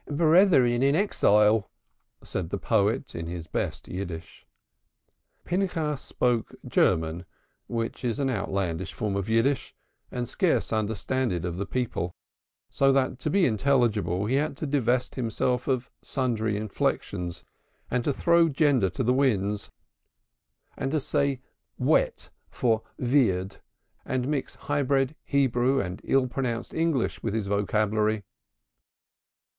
"Brethren in exile," said the poet in his best Yiddish. Pinchas spoke German which is an outlandish form of Yiddish and scarce understanded of the people, so that to be intelligible he had to divest himself of sundry inflections, and to throw gender to the winds and to say "wet" for "wird" and mix hybrid Hebrew and ill pronounced English with his vocabulary.